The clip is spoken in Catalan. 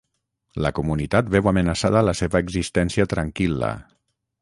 La comunitat veu amenaçada la seva existència tranquil·la.